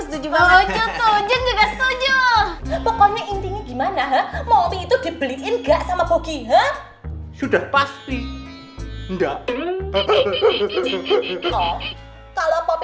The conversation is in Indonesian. setuju pokoknya intinya gimana mau itu dibeliin enggak sama bogi sudah pasti enggak kalau popi